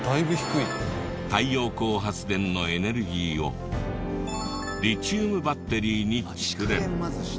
太陽光発電のエネルギーをリチウムバッテリーに蓄電。